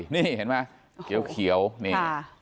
นี่เห็นมั้ยเกี่ยวนี่